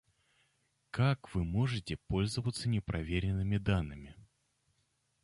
Как Вы можете пользоваться непроверенными данными?